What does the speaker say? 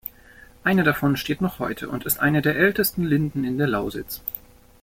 Eine davon steht noch heute und ist eine der ältesten Linden in der Lausitz.